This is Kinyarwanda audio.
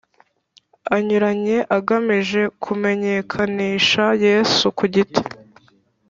Anyuranye agamije kumenyekanisha yesu ku giti